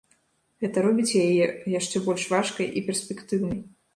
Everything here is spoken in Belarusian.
Гэта робіць яе яшчэ больш важкай і перспектыўнай.